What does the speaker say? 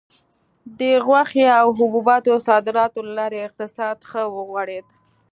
د غوښې او حبوباتو صادراتو له لارې اقتصاد ښه وغوړېد.